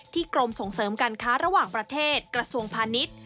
กรมส่งเสริมการค้าระหว่างประเทศกระทรวงพาณิชย์